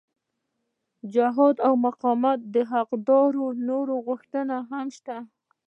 د جهاد او مقاومت د حقدارو نورې غوښتنې هم شته.